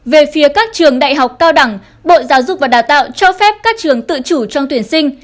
về phía các trường đại học cao đẳng bộ giáo dục và đào tạo cho phép các trường tự chủ trong tuyển sinh